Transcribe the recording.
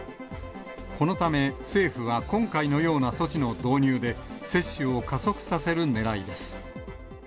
このため、政府は今回のような措置の導入で、接種を加速させるねらいです。